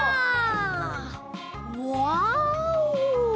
ワオ！